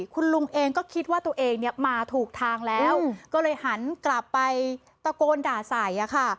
คุณลุงเองก็คิดว่าตัวเองเนี่ยมาถูกทางแล้วก็เลยหันกลับไปตะโกนด่าใส่อะค่ะ